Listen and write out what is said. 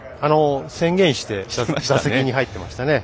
宣言して打席に入っていましたね。